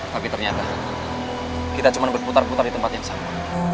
tapi ternyata kita cuma berputar putar di tempat yang sama